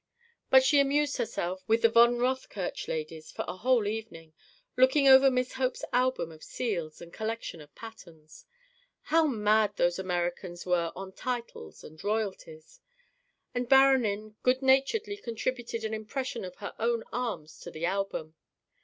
But she amused herself with the von Rothkirch ladies for a whole evening, looking over Miss Hope's album of seals and collection of patterns. How mad those Americans were on titles and royalties! The Baronin good naturedly contributed an impression of her own arms to the album.